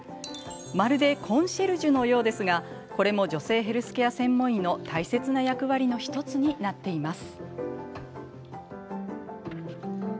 まるでコンシェルジュのようですがこれも女性ヘルスケア専門医の大切な役割の１つになっています。